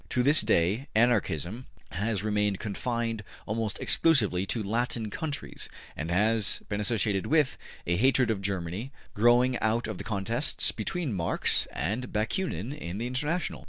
To this day, Anarchism has remained confined almost exclusively to the Latin countries, and has been associated with, a hatred of Germany, growing out of the contests between Marx and Bakunin in the International.